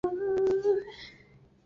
肯达里分布。